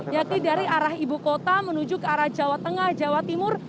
yakni dari arah ibu kota menuju ke arah jawa tengah jawa timur